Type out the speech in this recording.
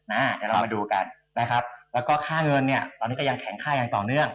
เดี๋ยวเรามาดูกันนะครับแล้วก็ค่าเงินเนี่ยตอนนี้ก็ยังแข็งค่าอย่างต่อเนื่อง